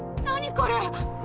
これ。